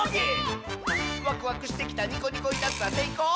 「ワクワクしてきたニコニコいたずら」「せいこう？